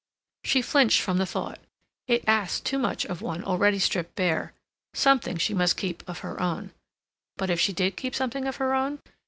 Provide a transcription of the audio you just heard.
She flinched from the thought. It asked too much of one already stripped bare. Something she must keep of her own. But if she did keep something of her own?